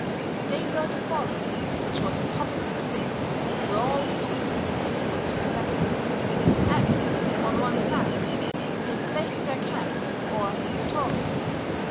They built a forum, which was a public square where all the business of the city was transacted; and, on one side, they placed their camp or praetorium.